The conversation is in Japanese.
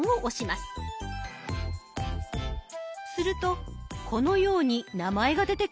するとこのように名前が出てきました。